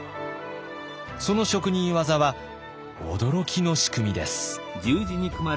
その職人技は驚きの仕組みです。